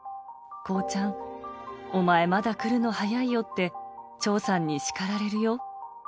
工ちゃん、お前まで来るの早いよ！って長さんに叱られるよ。